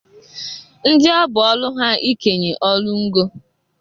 ndị ọ bụ ọlụ ha ịkenye ọlụ ngo